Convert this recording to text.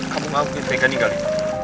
kamu gak mungkin pegang ini kali